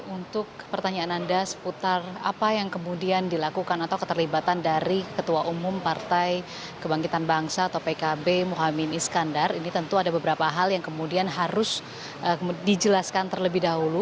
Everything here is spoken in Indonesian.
untuk pertanyaan anda seputar apa yang kemudian dilakukan atau keterlibatan dari ketua umum partai kebangkitan bangsa atau pkb